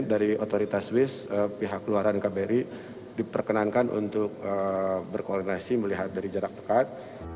dari otoritas swiss pihak luaran kbri diperkenankan untuk berkoordinasi melihat dari jarak dekat